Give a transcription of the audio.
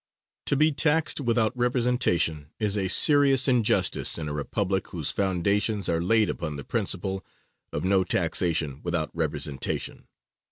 To be taxed without representation is a serious injustice in a republic whose foundations are laid upon the principle of "no taxation without representation."